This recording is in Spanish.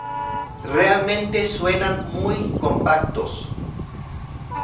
Realmente suenan muy compactos.